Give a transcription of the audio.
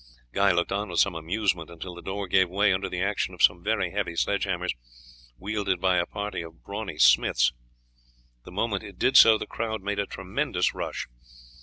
Guy looked on with some amusement until the door gave way under the action of some very heavy sledge hammers wielded by a party of brawny smiths; the moment it did so the crowd made a tremendous rush.